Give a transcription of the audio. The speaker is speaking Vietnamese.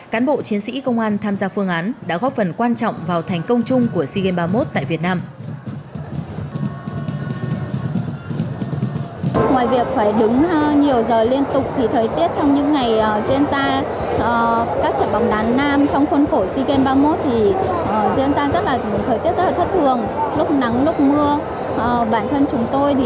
cán bộ chiến sĩ công an tham gia phương án đã góp phần quan trọng vào thành công chung của sigen ba mươi một tại việt nam